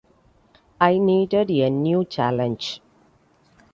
I needed a new challenge.